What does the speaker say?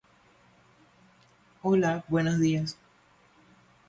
Y respondiendo Simón Pedro, dijo: Tú eres el Cristo, el Hijo del Dios viviente.